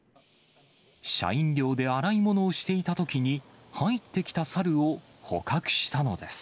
社員寮で洗い物をしていたときに、入ってきたサルを捕獲したのです。